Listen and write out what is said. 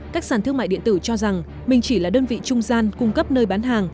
các sản thương mại điện tử cho rằng mình chỉ là đơn vị trung gian cung cấp nơi bán hàng